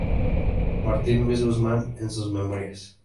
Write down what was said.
Martín Luis Guzmán, en sus memorias.